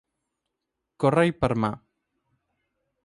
Córrer-hi per mà.